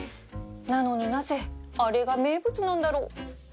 なのになぜあれが名物なんだろう